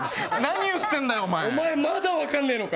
お前、まだ分かんねぇのか。